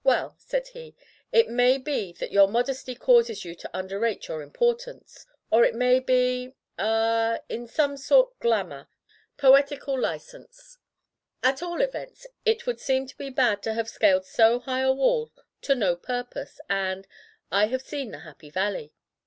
"Well," said he, "it may be that your modesty causes you to underrate your im portance, or it may be — ^ah — in some sort, glamour — ^poetical license. At all events, it would seem too bad to have scaled so high a wall to no purpose and — I have seen the Happy Valley."